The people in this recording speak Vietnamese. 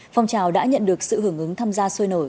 phong trào đã nhận được sự hưởng ứng tham gia sôi nổi